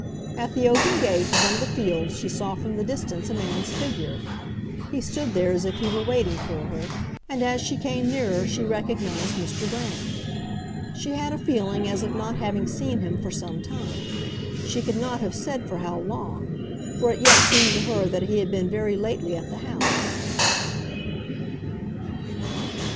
At the open gate of one of the fields she saw from the distance a man's figure; he stood there as if he were waiting for her, and as she came nearer she recognized Mr. Brand. She had a feeling as of not having seen him for some time; she could not have said for how long, for it yet seemed to her that he had been very lately at the house.